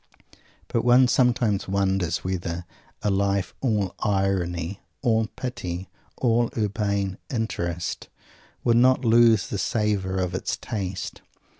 But one sometimes wonders whether a life all "irony," all "pity," all urbane "interest," would not lose the savor of its taste!